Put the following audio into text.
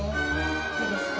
いいですか？